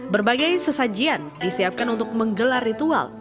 berbagai sesajian disiapkan untuk menggelar ritual